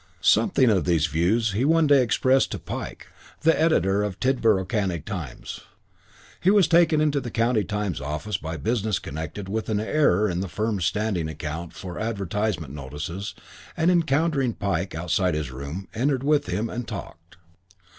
IV Something of these views he one day expressed to Pike, the Editor of the Tidborough County Times. He was taken into the County Times office by business connected with an error in the firm's standing account for advertisement notices and, encountering Pike outside his room, entered with him and talked.